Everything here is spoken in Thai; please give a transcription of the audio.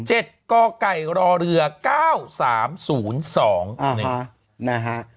เจ็ดก้อกไก่รอเรือเก้าสามศูนย์สองอ่าฮะนะฮะ